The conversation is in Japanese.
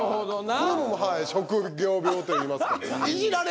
これも職業病といいますか。